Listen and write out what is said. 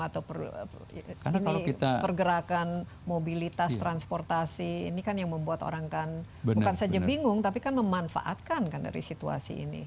atau ini pergerakan mobilitas transportasi ini kan yang membuat orang kan bukan saja bingung tapi kan memanfaatkan kan dari situasi ini